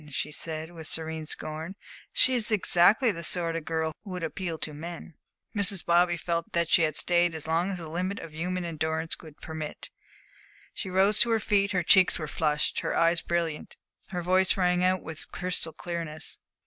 she said, with serene scorn. "She is exactly the sort of girl who would appeal to men." Mrs. Bobby felt that she had stayed as long as the limit of human endurance would permit. She rose to her feet, her cheeks were flushed, her eyes brilliant, her voice rang out with crystal clearness.